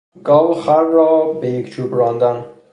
گاو و خر را بیک چوب راندن